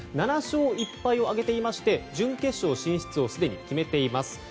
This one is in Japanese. ７勝１敗を挙げていまして準決勝進出をすでに決めています。